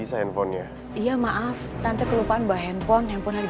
terima kasih ya